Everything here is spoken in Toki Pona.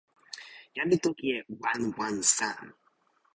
jan li toki e “wan wan san”.